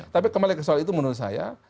tapi kembali ke soal itu menurut saya